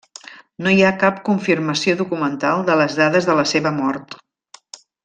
No hi ha cap confirmació documental de les dades de la seva mort.